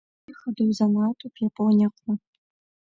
Ихадоу занааҭуп Иапониа аҟны.